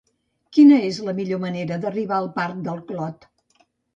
Quina és la millor manera d'arribar al parc del Clot?